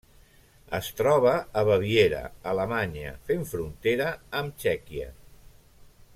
Es troba a Baviera, Alemanya fent frontera amb Txèquia.